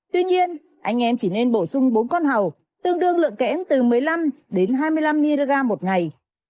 tuy nhiên anh em chỉ nên bổ sung bốn con hầu tương đương lượng kẽm từ một mươi năm đến hai mươi năm mg một ngày